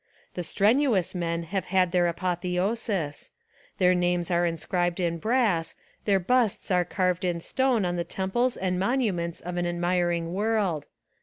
The strenuous men have had their apotheosis: their names are inscribed in brass, their busts are carved in stone on the temples and monu ments of an admiring world.